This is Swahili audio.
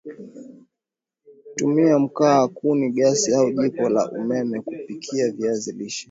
tumia Mkaa kuni gasi au jiko la umeme kupikia viazi lishe